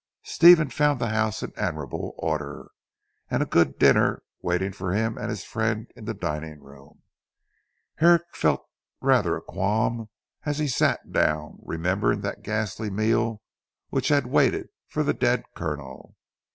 Stephen found the house in admirable order, and a good dinner waiting for him and his friend in the dining room. Herrick felt rather a qualm as he sat down, remembering that ghastly meal which had waited for the dead Colonel.